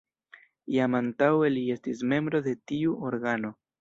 Jam antaŭe li estis membro de tiu organo.